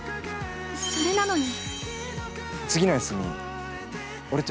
それなのに。